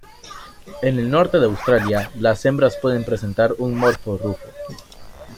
En el norte de Australia las hembras pueden presentar un morfo rufo.